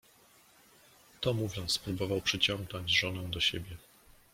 To mówiąc, próbował przyciągnąć żonę do siebie.